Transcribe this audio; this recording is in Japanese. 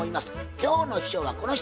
今日の秘書はこの人。